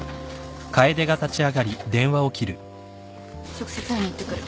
直接会いに行ってくる。